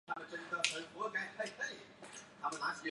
而圣火则整晚于大会堂对开燃烧。